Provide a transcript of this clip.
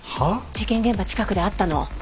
事件現場近くで会ったの。